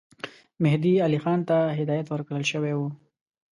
مهدي علي خان ته هدایت ورکړه شوی وو.